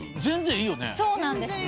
そうなんですよ。